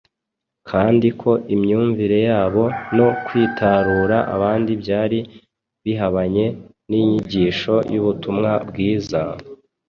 kandi ko imyumvire yabo no kwitarura abandi byari bihabanye n’inyigisho y’ubutumwa bwiza,